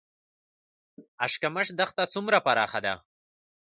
اشکمش دښته څومره پراخه ده؟